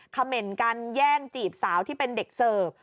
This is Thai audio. เขม่นกันแย่งจีบสาวที่เป็นเด็กเสิร์ฟ